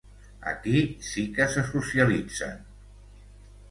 Aquí sí que se socialitzen!